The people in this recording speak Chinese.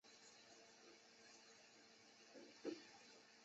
维也纳会议要求路易十八在他复辟前推行一部宪法。